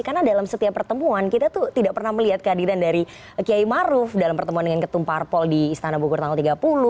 karena dalam setiap pertemuan kita tidak pernah melihat kehadiran dari kiai maruf dalam pertemuan dengan ketum parpol di istana bukur tanggal tiga puluh